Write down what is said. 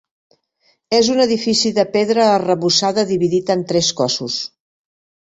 És un edifici de pedra arrebossada dividit en tres cossos.